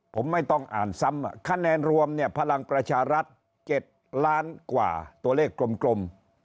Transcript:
ผมไม่ต้องอ่านซ้ำคะแนนรวมเนี่ยพลังประชารัฐ๗ล้านกว่าตัวเลขกลม